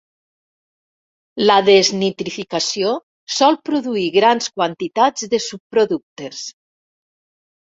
La desnitrificació sol produir grans quantitats de subproductes.